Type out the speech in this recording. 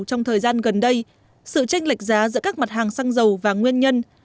trong thời gian gần đây sự tranh lệch giá giữa các mặt hàng xăng dầu và nguyên nhân